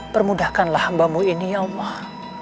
permudahkanlah hambamu ini ya allah